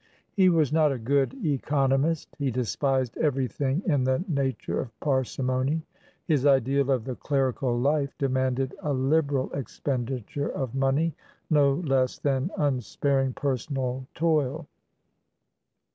He was not a good economist; he despised everything in the nature of parsimony; his ideal of the clerical life demanded a liberal expenditure of money no less than unsparing personal toil.